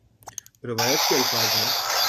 روایت کے الفاظ ہیں